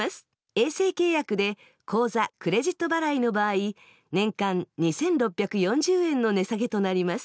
衛星契約で口座、クレジット払いの場合年間２６４０円の値下げとなります。